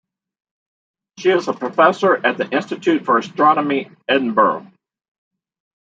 She is a Professor at the Institute for Astronomy, Edinburgh.